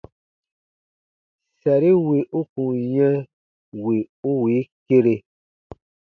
Sari wì u kun yɛ̃ wì u wii kere.